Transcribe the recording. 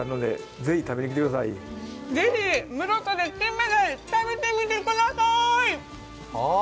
ぜひ室戸でキンメダイ、食べてみてくださーい。